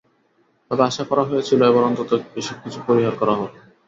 তবে আশা করা হয়েছিল, এবার অন্তত এসব কিছু পরিহার করা হবে।